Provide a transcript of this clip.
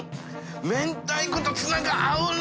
明太子とツナが合うね！